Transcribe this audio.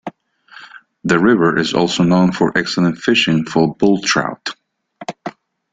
The river is also known for excellent fishing for bull trout.